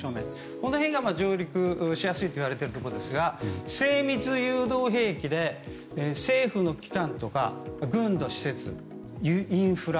この辺が上陸しやすいといわれているところですが精密誘導兵器で、政府の機関とか軍の施設、インフラ。